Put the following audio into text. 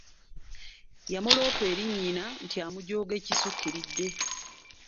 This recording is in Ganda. Yamuloopa eri nnyina nti amujooga ekisukkiridde.